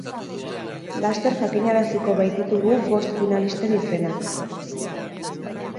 Laster jakinaraziko baititugu bost finalisten izenak.